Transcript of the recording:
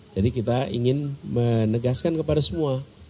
jadi kita ingin menegaskan kepada semua